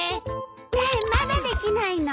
ねえまだできないの？